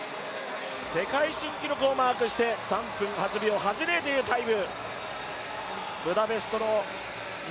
世界新記録をマークして３分８秒８０というタイム。